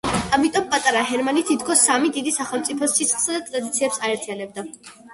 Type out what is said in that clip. ამიტომ პატარა ჰერმანი თითქოს სამი დიდი სახელმწიფოს სისხლსა და ტრადიციებს აერთიანებდა.